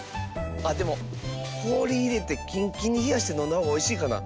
あっでもこおりいれてキンキンにひやしてのんだほうがおいしいかな。